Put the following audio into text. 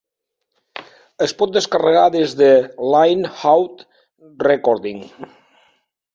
Es pot descarregar des de Line Out Recordings.